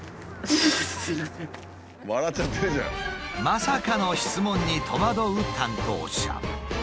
まさかの質問に戸惑う担当者。